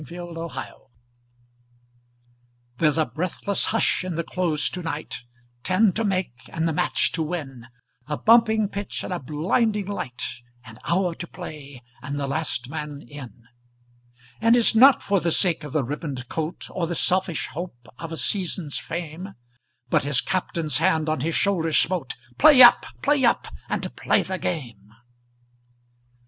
Vitaï Lampada There's a breathless hush in the Close to night Ten to make and the match to win A bumping pitch and a blinding light, An hour to play and the last man in. And it's not for the sake of a ribboned coat, Or the selfish hope of a season's fame, But his Captain's hand on his shoulder smote "Play up! play up! and play the game!"